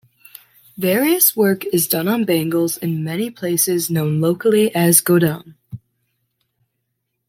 Various work is done on bangles in many places known locally as "godam".